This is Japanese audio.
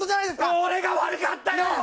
俺が悪かったよ！